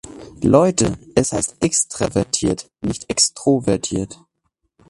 Leute, es heißt extravertiert, nicht extrovertiert.